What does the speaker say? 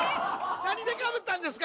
何でかぶったんですか？